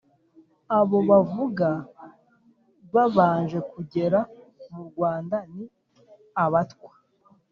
abo bavuga babanje kugera mu rwanda, ni abatwa,